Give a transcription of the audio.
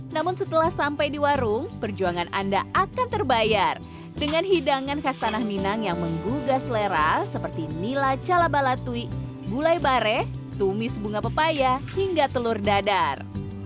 namun setelah sampai di warung perjuangan anda akan terbayar dengan hidangan khas tanah minang yang menggugah selera seperti nila calabalatui gulai bare tumis bunga pepaya hingga telur dadar